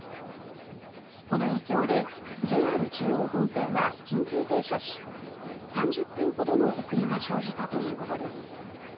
この影響でＪＲ中央本線は緊急停車し、３０分ほどの遅れが生じたということです。